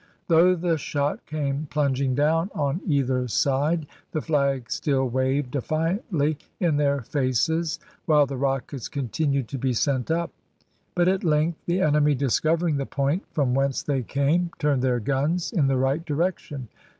Though the shot came plunging down on either side, the flag still waved defiantly in their faces, while the rockets continued to be sent up; but at length the enemy, discovering the point from whence they came, turned their guns in the right direction.